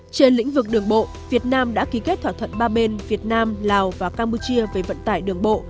trên lĩnh vực đường bộ việt nam đã ký kết thỏa thuận ba bên việt nam lào và campuchia về vận tải đường bộ